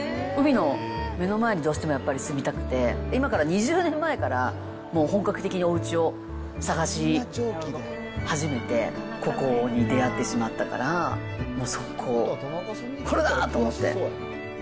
海の目の前に、どうしてもやっぱり住みたくて、今から２０年前から、もう本格的におうちを探し始めて、ここに出会ってしまったから、もう速攻、これだ！と思って。